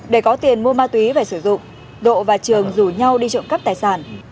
để có tiền mua ma túy về sử dụng độ và trường rủ nhau đi trộm cắp tài sản